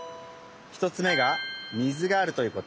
１つめが水があるということ。